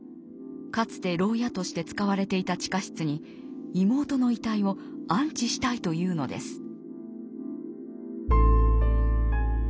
かつて牢屋として使われていた地下室に妹の遺体を安置したいというのです。